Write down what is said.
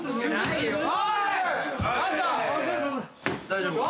大丈夫か？